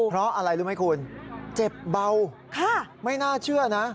เพราะอะไรรู้ไหมคุณเจ็บเบาไม่น่าเชื่อนะ